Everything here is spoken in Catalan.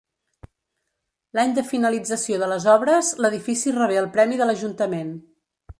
L'any de finalització de les obres l'edifici rebé el premi de l'Ajuntament.